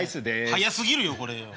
早すぎるよこれよ。